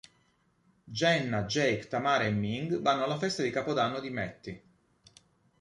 Jenna, Jake, Tamara e Ming vanno alla festa di Capodanno di Matty.